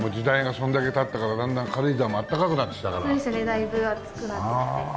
だいぶ暑くなってきて。